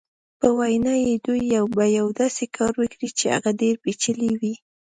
په وینا یې دوی به یو داسې کار وکړي چې هغه ډېر پېچلی وي.